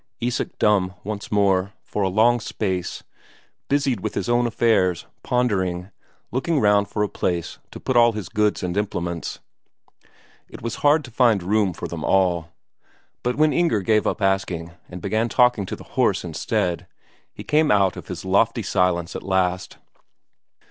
Isak dumb once more, for a long space, busied with his own affairs, pondering, looking round for a place to put all his goods and implements; it was hard to find room for them all. But when Inger gave up asking, and began talking to the horse instead, he came out of his lofty silence at last.